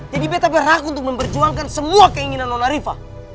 jadi beta berhak untuk memperjuangkan semua keinginan nona riva